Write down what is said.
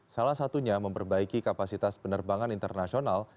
salah satunya memperbaiki kapasitas penerbangan internasional